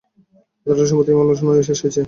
আদালতে সম্প্রতি এই মামলার শুনানি শেষ হয়েছে।